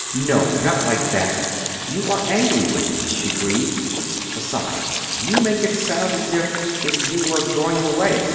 "No, not like that. You are angry with me," she grieved. "Besides, you make it sound as if if you were going away."